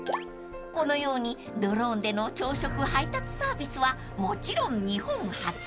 ［このようにドローンでの朝食配達サービスはもちろん日本初］